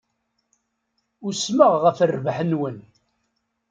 Usmeɣ ɣef rrbeḥ-nwen.